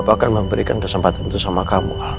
papa akan memberikan kesempatan itu sama kamu allah